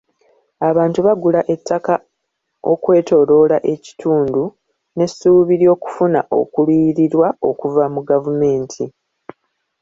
Abantu bagula ettaka ekwetooloola ekitundu n'esuubi ly'okufuna okuliyirirwa okuva mu gavumenti.